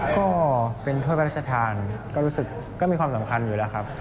ก็เป็นถ้วยพระราชทานก็รู้สึกก็มีความสำคัญอยู่แล้วครับ